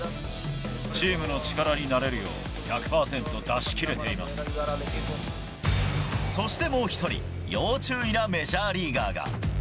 チームの力になれるよう、そしてもう１人、要注意なメジャーリーガーが。